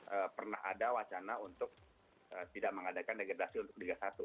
ee pernah ada wacana untuk tidak mengadakan degradasi untuk liga satu